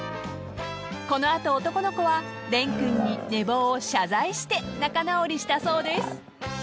［この後男の子は蓮くんに寝坊を謝罪して仲直りしたそうです］